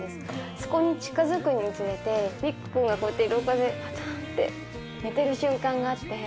そこに近づくにつれて、利空君がこうやって廊下でぱたんって寝てる瞬間があって。